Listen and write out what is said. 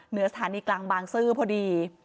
เหนือสถานีกลางบางซื่อพอดี